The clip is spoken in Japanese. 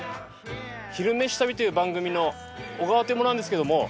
「昼めし旅」という番組の小川という者なんですけども。